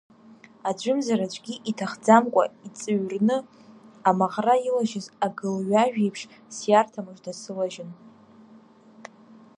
Аӡәымзар аӡәгьы иҭахӡамкәа, иҵыҩрны амаӷра илажьыз агылҩажә еиԥш, сиарҭа мыжда сылажьын.